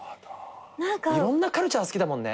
いろんなカルチャー好きだもんね